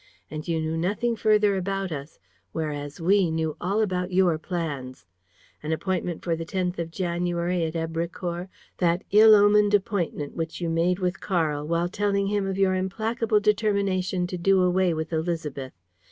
And you knew nothing further about us, whereas we knew all about your plans. An appointment for the 10th of January at Èbrecourt, that ill omened appointment which you made with Karl while telling him of your implacable determination to do away with Élisabeth.